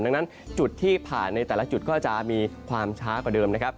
ดังนั้นจุดที่ผ่านในแต่ละจุดก็จะมีความช้ากว่าเดิมนะครับ